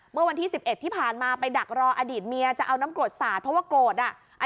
เมื่อวันที่๑๑ที่ผ่านมาไปดักรออดีตเมียจะเอาน้ำกรดสาดเพราะว่าโกรธอ่ะ